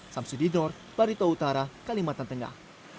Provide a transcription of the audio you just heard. samsudinur barito utara kalimantan tengah